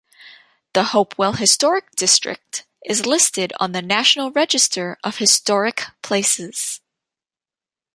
The Hopewell Historic District is listed on the National Register of Historic Places.